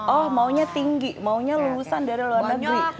oh maunya tinggi maunya lulusan dari luar negeri